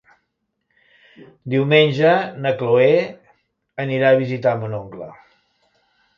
Diumenge na Chloé anirà a visitar mon oncle.